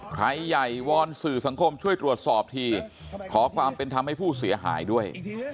ใครใหญ่วอนสื่อสังคมช่วยตรวจสอบทีขอความเป็นธรรมให้ผู้เสียหายด้วย